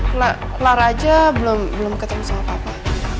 kelar aja belum ketemu sama papa